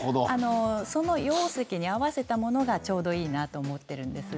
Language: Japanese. その容積に合わせたものがちょうどいいなと思っています。